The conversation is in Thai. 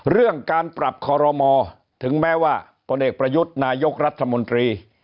เรื่องการปรับคอรมอถึงแม้ว่าพลเอกประยุทธ์นายกรัฐมนตรี